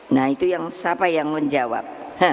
nah itu yang siapa yang menjawab